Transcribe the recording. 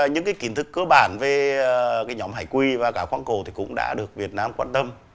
những kiến thức cơ bản về nhóm hải quỷ và cá khoảng cổ cũng đã được việt nam quan tâm